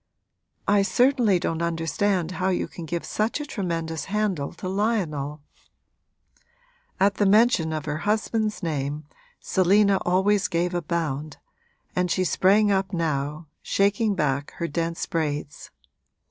'I certainly don't understand how you can give such a tremendous handle to Lionel.' At the mention of her husband's name Selina always gave a bound, and she sprang up now, shaking back her dense braids.